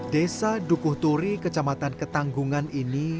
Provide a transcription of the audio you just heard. desa dukuh turi kecamatan ketanggungan ini